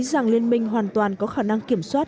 rằng liên minh hoàn toàn có khả năng kiểm soát